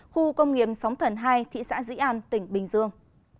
khu công nghiệp sóng thần hai thị xã dĩ an tỉnh bình dương